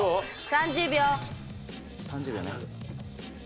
３０秒ね。